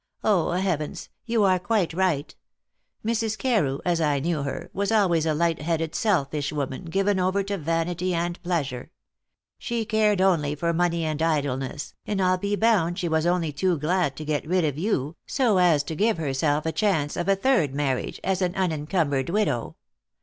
Oh, heavens! you are quite right! Mrs. Carew, as I knew her, was always a light headed, selfish woman, given over to vanity and pleasure. She cared only for money and idleness, and I'll be bound she was only too glad to get rid of you, so as to give herself a chance of a third marriage as an unencumbered widow.